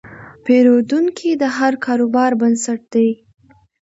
پیرودونکی د هر کاروبار بنسټ دی.